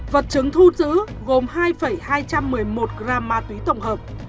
vật chứng thu giữ gồm hai hai trăm một mươi một gram ma túy tổng hợp